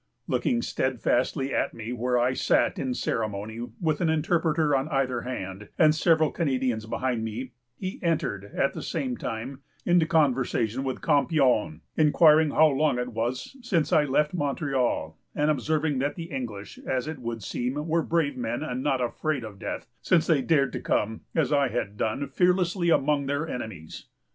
Looking steadfastly at me, where I sat in ceremony, with an interpreter on either hand, and several Canadians behind me, he entered, at the same time, into conversation with Campion, inquiring how long it was since I left Montreal, and observing that the English, as it would seem, were brave men, and not afraid of death, since they dared to come, as I had done, fearlessly among their enemies.